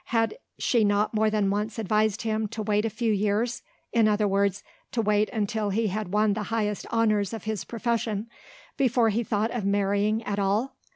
Had she not more than once advised him to wait a few years in other words, to wait until he had won the highest honours of his profession before he thought of marrying at all?